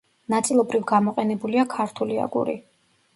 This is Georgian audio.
ნაწილობრივ გამოყენებულია ქართული აგური.